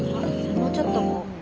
もうちょっとこう。